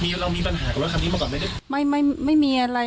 มีเรามีปัญหากับรถคันนี้มาก่อนไหมเนี่ยไม่ไม่ไม่มีอะไร